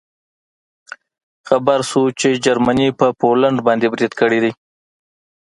خبر شوو چې جرمني په پولنډ باندې برید کړی دی